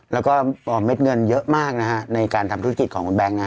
แล้วก็เม็ดเงินเยอะมากนะฮะในการทำธุรกิจของคุณแบงค์นะฮะ